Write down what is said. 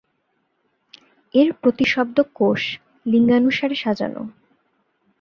এর প্রতিশব্দ কোষ, লিঙ্গানুসারে সাজানো।